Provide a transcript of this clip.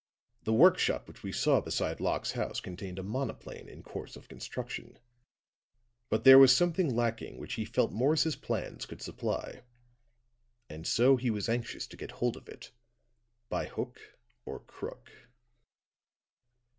The work shop which we saw beside Locke's house contained a monoplane in course of construction; but there was something lacking which he felt Morris's plans could supply; and so he was anxious to get hold of it by hook or crook.